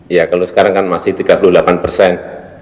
ya kalau sekarang kan masih tiga puluh delapan persen